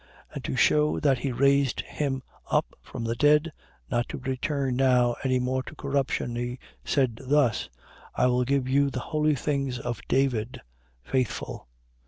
13:34. And to shew that he raised him up from the dead, not to return now any more to corruption, he said thus: I will give you the holy things of David, faithful.